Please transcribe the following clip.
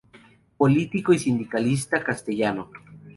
Político y sindicalista castellano.